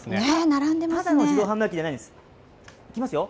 並んでますね。